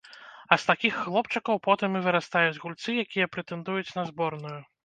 А з такіх хлопчыкаў потым і вырастаюць гульцы, якія прэтэндуюць на зборную.